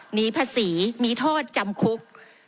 หนีภาษีมีโทษจำคุก